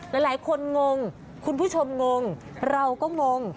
หลายคนงงคุณผู้ชมงงเราก็งง